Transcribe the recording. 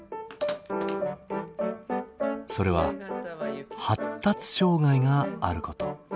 それは発達障害があること。